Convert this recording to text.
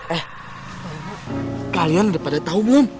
eh kalian udah pada tahu belum